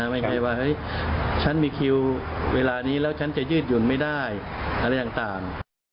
ไม่ใช่ว่าเฮ้ยฉันมีคิวเวลานี้แล้วฉันจะยืดหยุ่นไม่ได้อะไรต่าง